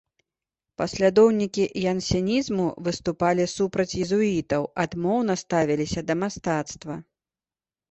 Паслядоўнікі янсенізму выступалі супраць езуітаў, адмоўна ставіліся да мастацтва.